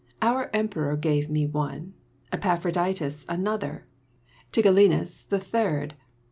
Our emperor gave me one, Epaphroditus another, Tigellinus the third.